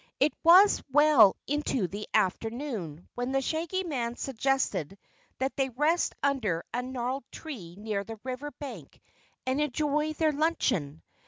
It was well into the afternoon, when the Shaggy Man suggested that they rest under a gnarled tree near the river bank and enjoy their luncheon.